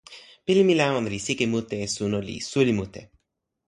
pilin mi la ona li sike mute e suno li suli mute.